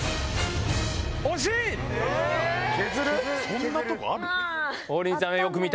そんなとこある？